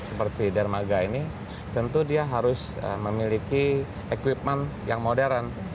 seperti dermaga ini tentu dia harus memiliki equipment yang modern